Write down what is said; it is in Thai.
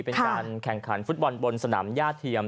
เป็นการแข่งขันฟุตบอลบนสนามย่าเทียม